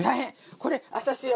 これ私よ。